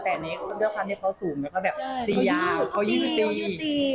แต่อันนี้ก็ด้วยความที่เขาสูงแล้วก็แบบตียาวเท่ายื่นที่ตี